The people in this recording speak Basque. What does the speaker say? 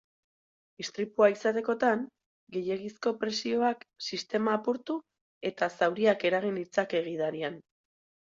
Istripua izatekotan, gehiegizko presioak sistema apurtu eta zauriak eragin ditzake gidarian.